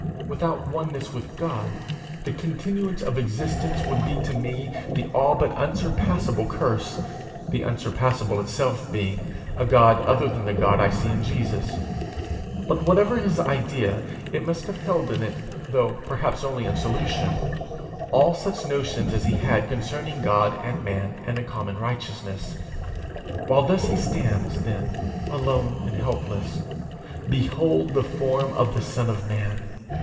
without oneness with God, the continuance of existence would be to me the all but unsurpassable curse the unsurpassable itself being, a God other than the God I see in Jesus; but whatever his idea, it must have held in it, though perhaps only in solution, all such notions as he had concerning God and man and a common righteousness. While thus he stands, then, alone and helpless, behold the form of the Son of Man!